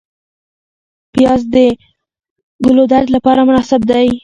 پیاز د ګلودرد لپاره مناسب دی